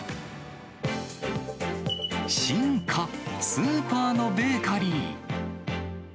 スーパーのベーカリー。